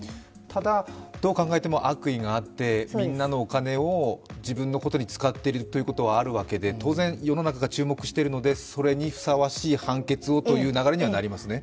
ただ、どう考えても悪意があって、みんなのお金を自分のことに使っているということはあるわけで、当然、世の中が注目しているのでそれにふさわしい判決をという流れにはなりますね？